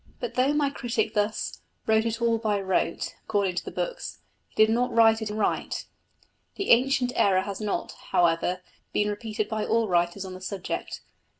But though my critic thus "wrote it all by rote," according to the books, "he did not write it right." The ancient error has not, however, been repeated by all writers on the subject.